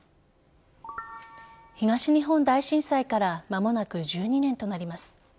東日本大震災から間もなく１２年となります。